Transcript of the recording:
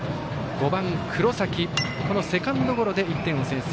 ５番、黒崎セカンドゴロで１点を先制。